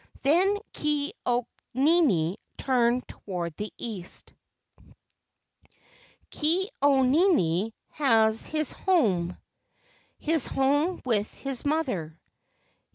Then Ke au nini turned toward the east: "Ke au nini has his home, His home with his mother.